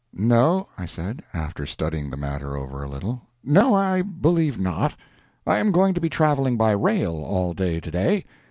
"No," I said, after studying the matter over a little. "No, I believe not; I am going to be traveling by rail all day today.